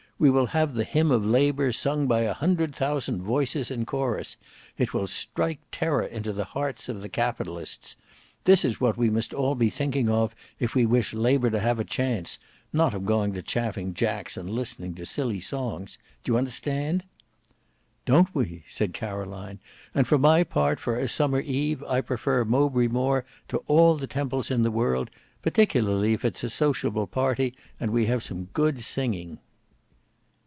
We will have the hymn of Labour sung by a hundred thousand voices in chorus. It will strike terror into the hearts of the Capitalists. This is what we must all be thinking of if we wish Labour to have a chance, not of going to Chaffing Jack's and listening to silly songs. D'ye understand?" "Don't we!" said Caroline; "and for my part for a summer eve I prefer Mowbray Moor to all the Temples in the world, particularly if it's a sociable party and we have some good singing."